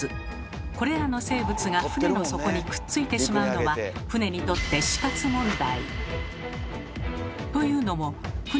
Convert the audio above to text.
これらの生物が船の底にくっついてしまうのは船にとって死活問題。